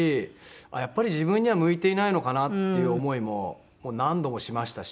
やっぱり自分には向いていないのかな？っていう思いも何度もしましたし。